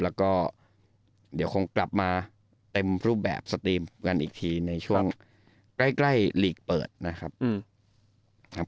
แล้วก็เดี๋ยวคงกลับมาเต็มรูปแบบสตรีมกันอีกทีในช่วงใกล้ลีกเปิดนะครับ